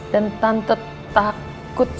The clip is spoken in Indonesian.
dan tante takut